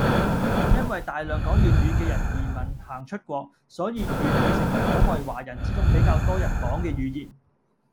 因為大量講粵語嘅人移民行出國，所以粵語成為海外華人之中比較多人講嘅語言